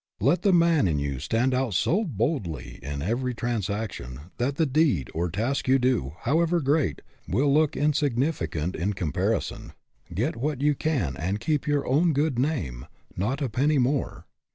Let the man in you stand out so boldly in every transaction that the deed, or task you do, however great, will look insignificant in comparison. Get what you can and keep your own good name not a penny more.